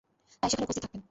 তাই সেখানে উপস্থিত থাকবেন।